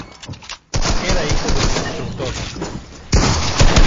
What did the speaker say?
Era hijo de un constructor.